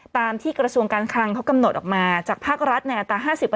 ตามที่กระทรวงการคลังเขากำหนดออกมาจากภาครัฐในอัตรา๕๐